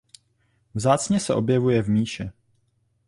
Vzácně se objevuje v míše.